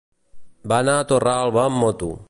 Va anar a Torralba amb moto.